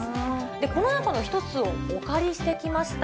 この中の１つをお借りしてきました。